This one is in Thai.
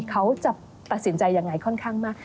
เขาจะตัดสินใจยังไงค่อนข้างมาก